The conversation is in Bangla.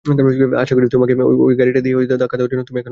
আশা করি তোমাকে ওই গাড়িটা দিয়ে ধাক্কা দেওয়ার জন্য তুমি এখনও রেগে নেই।